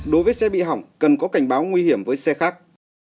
đối với xe bị hỏng cần có cảnh báo nguy hiểm với xe khác